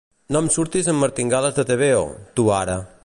No em surtis amb martingales de tebeo, tu ara!